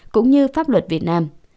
cũng như pháp luật việt nam